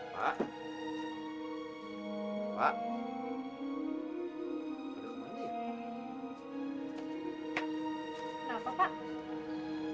mereka udah pada pergi